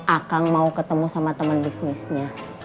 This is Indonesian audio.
akang mau ketemu sama teman bisnisnya